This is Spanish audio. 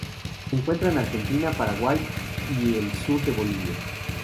Se encuentra en Argentina, Paraguay y el sur de Bolivia.